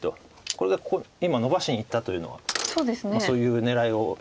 これが今のばしにいったというのはそういう狙いを秘めています。